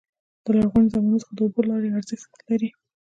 د لرغوني زمانو څخه د اوبو لارې ارزښت لري.